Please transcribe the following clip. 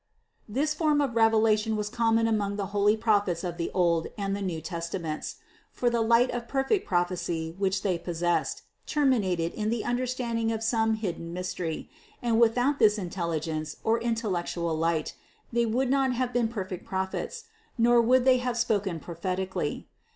635. This form of revelation was common among the holy Prophets of the old and the new Testaments; for the light of perfect prophecy which they possessed, ter minated in the understanding of some hidden mystery; and without this intelligence, or intellectual light, they would not have been perfect prophets, nor would they have spoken prophetically.